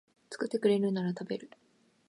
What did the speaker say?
作ってくれるなら食べる